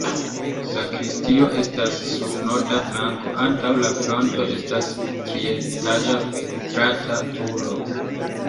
Sakristio estas sur norda flanko, antaŭ la fronto estas trietaĝa kvadrata turo.